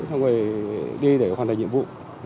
xong rồi đi để hoàn thành nhiệm vụ